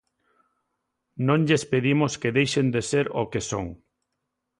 Non lles pedimos que deixen de ser o que son.